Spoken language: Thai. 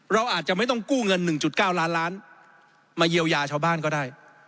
เราอาจจะไม่ต้องกู้เงิน๑๙ล้านล้านมาเยียวยาชาวบ้านก็ได้